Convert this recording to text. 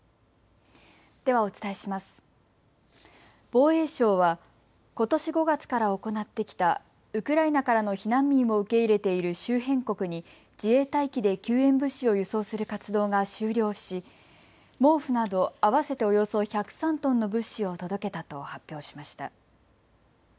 防衛省はことし５月から行ってきたウクライナからの避難民を受け入れている周辺国に自衛隊機で救援物資を輸送する活動が終了し毛布など合わせておよそ１０３トンの物資を届けたと発表しました。